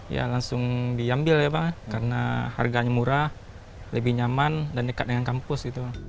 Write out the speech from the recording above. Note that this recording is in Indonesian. ya langsung diambil ya pak karena harganya murah lebih nyaman dan dekat dengan kampus gitu